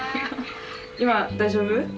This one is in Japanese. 今大丈夫？